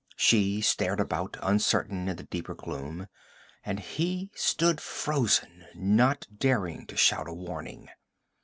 She stared about, uncertain in the deeper gloom, and he stood frozen, not daring to shout a warning.